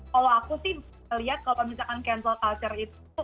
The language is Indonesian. kalau aku sih lihat kalau misalkan cancel culture itu